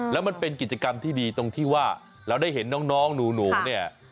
แล้วมันเป็นกิจกรรมที่ดีตรงที่ว่าเราได้เห็นน้องหนูเนี่ย